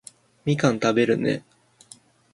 みかん食べるね